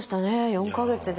４か月で。